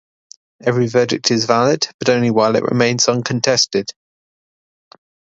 Every verdict is valid, but only while it remains uncontested.